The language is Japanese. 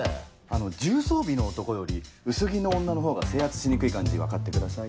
重装備の男より薄着の女のほうが制圧しにくい感じ分かってください。